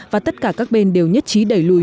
và tất cả các bên đều nhất trí đẩy lùi